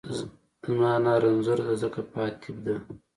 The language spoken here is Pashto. زما انا رنځورۀ دۀ ځکه په اتېب دۀ